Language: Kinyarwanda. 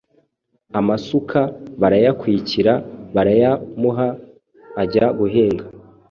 amasuka barayakwikira, barayamuha, ajya guhinga.